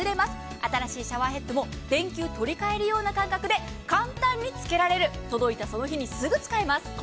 新しいシャワーヘッドも電球を取り替えるような感覚で簡単につけられる、届いたその日にすぐ使えます。